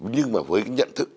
nhưng mà với cái nhận thức